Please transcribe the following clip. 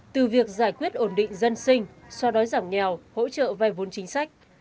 từ việc giải quyết ổn định dân sinh so đối giảng nghèo hỗ trợ vai vốn chính sách